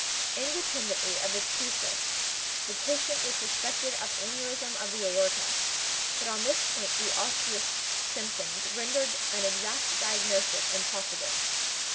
Independently of the phthisis, the patient was suspected of aneurism of the aorta; but on this point the osseous symptoms rendered an exact diagnosis impossible.